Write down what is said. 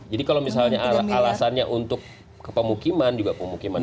jadi kalau misalnya alasannya untuk kepemukiman juga pemukiman